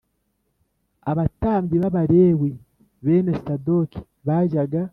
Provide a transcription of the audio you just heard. Abatambyi b abalewi bene Sadoki bajyaga